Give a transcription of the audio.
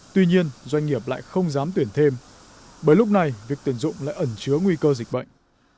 tuy nhiên doanh nghiệp lại không dám tuyển thêm bởi lúc này việc tuyển dụng lại ẩn chứa nguy cơ dịch bệnh